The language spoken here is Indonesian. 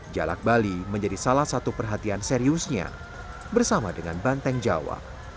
jalak bali menjadi salah satu perhatian seriusnya bersama dengan banteng jawa